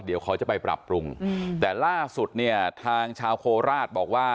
เดี๋ยวเขาจะไปปรับปรุงแต่ล่าสุดเนี่ยทางชาวโคราชบอกว่า